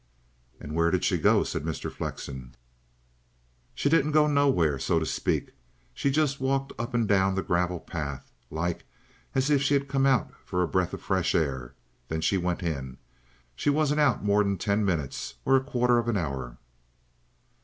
"And where did she go?" said Mr. Flexen. "She didn't go nowhere, so to speak. She just walked up an' down the gravel path like as if she'd come out for a breath of fresh air. Then she went in. She wasn't out more nor ten minutes, or a quarter of an hour."